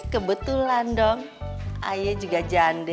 kebetulan don ayo juga jande